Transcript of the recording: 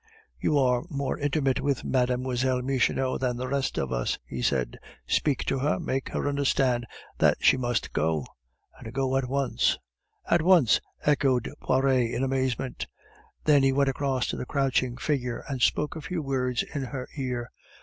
"You are more intimate with Mlle. Michonneau than the rest of us," he said; "speak to her, make her understand that she must go, and go at once." "At once!" echoed Poiret in amazement. Then he went across to the crouching figure, and spoke a few words in her ear.